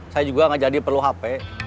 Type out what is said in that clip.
saya juga gak jadi perlu hp